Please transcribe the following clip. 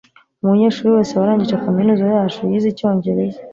umunyeshuri wese warangije kaminuza yacu yize icyongereza